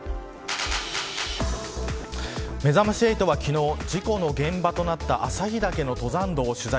めざまし８は昨日事故の現場となった朝日岳の登山道を取材。